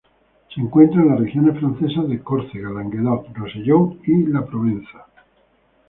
Se encuentra en las regiones francesas de Córcega, Languedoc-Rosellón y la Provenza.